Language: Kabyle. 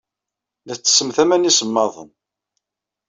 La ttessemt aman iṣemmaḍen.